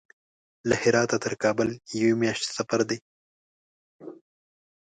له هراته تر کابل یوې میاشتې سفر دی.